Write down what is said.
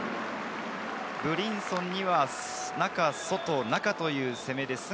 ブリンソンには、中、外、中という攻めです。